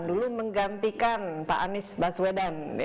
dulu menggantikan pak anies baswedan